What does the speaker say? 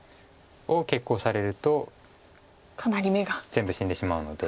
全部死んでしまうので。